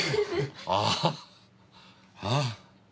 ああああ。